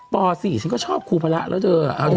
ป๔ฉันก็ชอบครูพระแล้วเธอ